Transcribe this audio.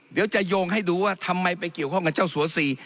เดี๋ยวจะโยงให้ดูว่าทำไมไปเกี่ยวข้องกับเจ้าสัวสี่